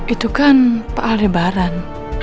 itu kan pak aldebaran